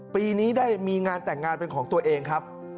ปีนี้ได้มีงานแต่งงานเป็นของตัวเองครับ